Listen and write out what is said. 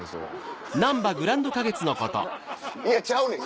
いやちゃうねん。